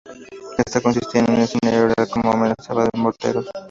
Esta consistía en un escenario real con amenaza de morteros.